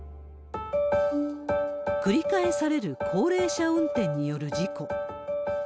繰り返される高齢者運転による事故。